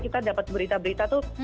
kita dapat berita berita tuh